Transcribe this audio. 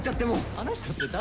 「あの人」って誰？